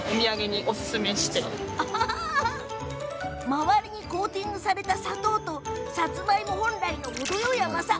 周りにコーティングされた砂糖とさつまいも本来の程よい甘さ